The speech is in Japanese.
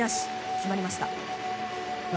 決まりました。